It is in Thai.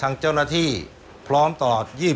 ทางเจ้าหน้าที่พร้อมตลอด